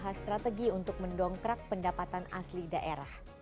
kita bahas strategi untuk mendongkrak pendapatan asli daerah